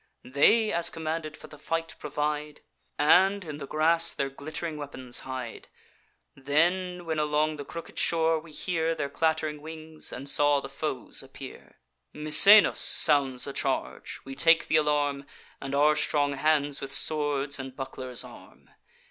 They, as commanded, for the fight provide, And in the grass their glitt'ring weapons hide; Then, when along the crooked shore we hear Their clatt'ring wings, and saw the foes appear, Misenus sounds a charge: we take th' alarm, And our strong hands with swords and bucklers arm.